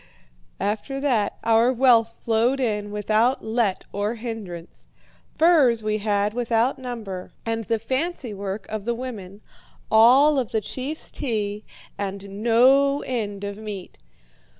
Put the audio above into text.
"After that our wealth flowed in without let or hindrance. Furs we had without number, and the fancy work of the women, all of the chief's tea, and no end of meat.